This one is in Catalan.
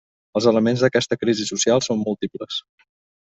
Els elements d'aquesta crisi social són múltiples.